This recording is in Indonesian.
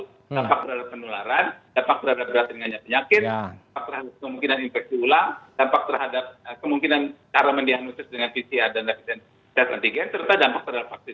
dampak terhadap penularan dampak terhadap berat ringannya penyakit terhadap kemungkinan infeksi ulang dampak terhadap kemungkinan cara mendiagnosis dengan pcr dan tes antigen serta dampak terhadap vaksin